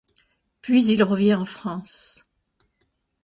Puis il revient en France.